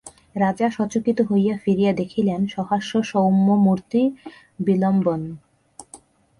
রাজা সচকিত হইয়া ফিরিয়া দেখিলেন সহাস্য সৌম্যমূর্তি বিল্বন।